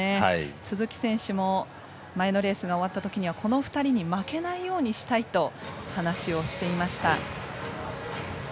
鈴木選手も前のレースが終わったときにはこの２人に負けないようにしたいと話をしていました。